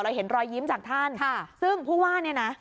เห็นรอยยิ้มจากท่านค่ะซึ่งผู้ว่าเนี่ยนะ